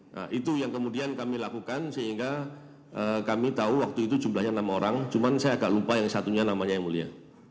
nah itu yang kemudian kami lakukan sehingga kami tahu waktu itu jumlahnya enam orang cuman saya agak lupa yang satunya namanya yang mulia